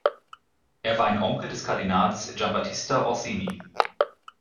Er war ein Onkel des Kardinals Giambattista Orsini.